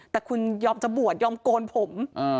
แต่คุณยอมญี่ปฏิบัติยอมกรผม